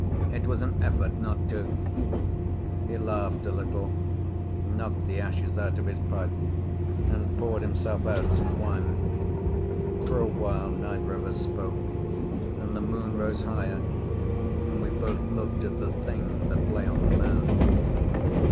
It was an effort not to." He laughed a little, knocked the ashes out of his pipe, and poured himself out some wine. For a while neither of us spoke, and the moon rose higher, and we both looked at the Thing that lay on the mound.